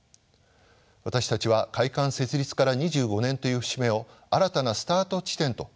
私たちは会館設立から２５年という節目を新たなスタート地点と定め